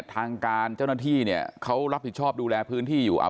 ทางการเจ้าหน้าที่เนี่ยเขารับผิดชอบดูแลพื้นที่อยู่อ่า